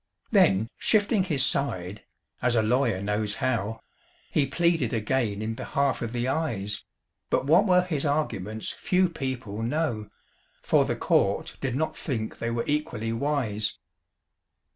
Then shifting his side (as a lawyer knows how), He pleaded again in behalf of the Eyes; But what were his arguments few people know, For the court did not think they were equally wise.